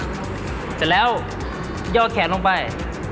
เสร็จแล้วย่อแขนลงไป